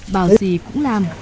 bảo gì cũng làm